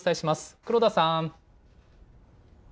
黒田さん。